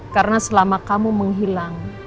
karena selama kamu menghilang